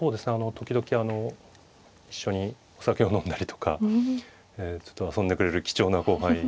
時々一緒にお酒を飲んだりとかちょっと遊んでくれる貴重な後輩ですね。